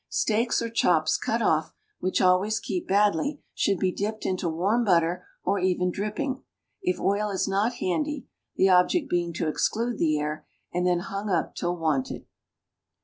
Steaks or chops cut off, which always keep badly, should be dipped into warm butter or even dripping, if oil is not handy (the object being to exclude the air), and then hung up till wanted.